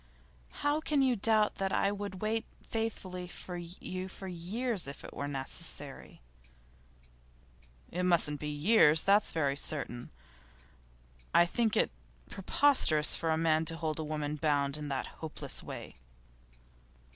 'How can you doubt that I would wait faithfully for you for years if it were necessary?' 'It mustn't be years, that's very certain. I think it preposterous for a man to hold a woman bound in that hopeless way.